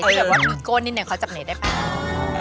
แต่ว่าพี่ก้นนี่เขาจับไหนได้ป่าว